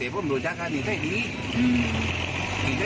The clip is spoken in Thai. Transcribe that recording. แล้วพี่เคยมาซ่อมรถร้านนี้บ้างไหมครับ